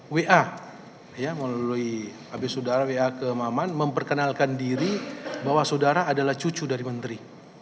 wa ya melalui abis saudara wa ke maman memperkenalkan diri bahwa saudara adalah cucu dari menteri